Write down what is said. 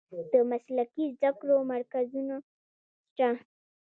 د مسلکي زده کړو مرکزونه شته؟